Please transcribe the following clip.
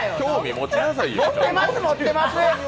持ってます！